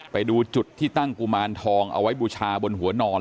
ไปดูจุดที่ตั้งกุมารทองเอาไว้บูชาบนหัวนอน